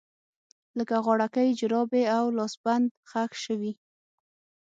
لکه غاړکۍ، جرابې او لاسبند ښخ شوي